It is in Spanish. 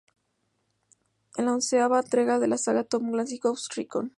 Es la onceava entrega de la saga "Tom Clancy's Ghost Recon".